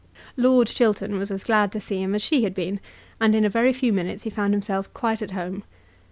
Lord Chiltern was as glad to see him as she had been, and in a very few minutes he found himself quite at home.